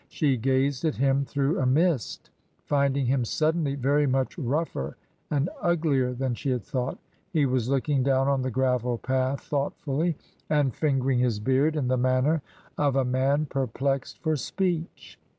She gazed at him through a mist, finding him suddenly very much rougher and uglier than she had thought. He was looking down on the gravel path thoughtfully and fingering his beard, in the manner of a man perplexed for speech.